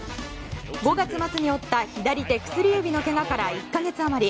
５月末に負った左手薬指のけがから１か月余り。